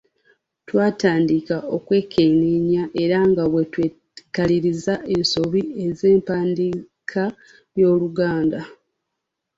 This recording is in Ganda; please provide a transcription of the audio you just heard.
Twatandika okwekenneenya era nga bwe twekaliriza ensobi z’empandiika y’Oluganda.